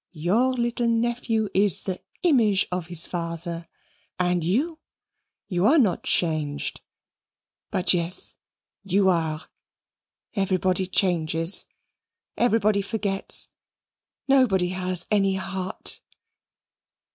Your little nephew is the image of his father; and you you are not changed but yes, you are. Everybody changes, everybody forgets; nobody has any heart."